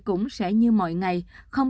cũng sẽ như mọi ngày không